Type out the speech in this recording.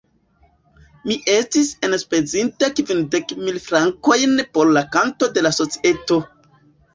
Mi estis enspezinta kvindek mil frankojn por la konto de la societo.